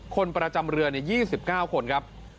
คนประจำเรือ๒๙คนครับ